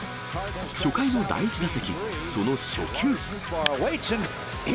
初回の第１打席、その初球。